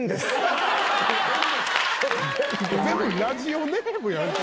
全部ラジオネームやん。